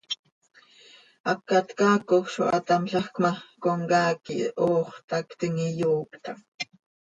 Hacat caacoj zo hatámlajc ma, comcaac quih hoox cötactim, iyooctam.